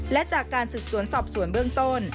และจากการสืบสวนสอบสวนเบื้องต้น